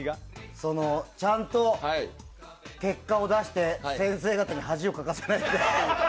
ちゃんと結果を出して先生方に恥をかかせないでいられるか。